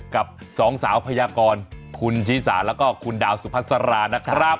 กับสองสาวพยากรครุ่นชิสาและก็อันนี้คืนดาวสุพัฒรานะครับ